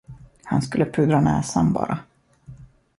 Han skulle pudra näsan, bara.